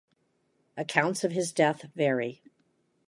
Accounts of his death vary.